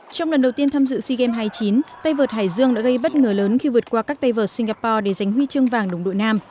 trong lần đầu tiên tham dự sea games hai mươi chín tay vợt hải dương đã gây bất ngờ lớn khi vượt qua các tay vợt singapore để giành huy chương vàng đồng đội nam